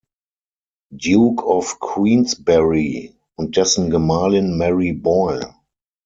Duke of Queensberry und dessen Gemahlin Mary Boyle.